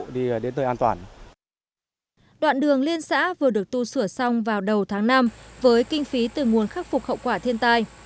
đoạn đường liên xã vừa được tu sửa xong vào đầu tháng năm với kinh phí từ nguồn khắc phục hậu quả thiên tai